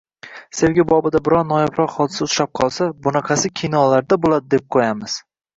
Sevgi bobida biron noyobroq hodisa uchrab qolsa, bunaqasi kinolarda boʻladi, deb qoʻyamiz.